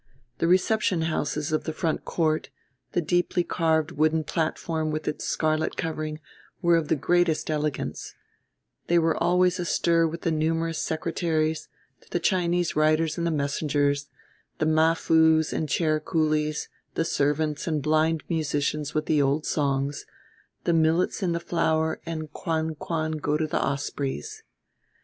The reception houses of the front court, the deeply carved wooden platform with its scarlet covering, were of the greatest elegance; they were always astir with the numerous secretaries, the Chinese writers and messengers, the mafoos and chair coolies, the servants and blind musicians with the old songs, The Millet's in Flower and Kuan Kuan Go to the Ospreys.